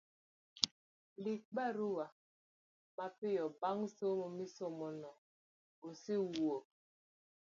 Ndik barua mapiyo bang' somo misomono osewuok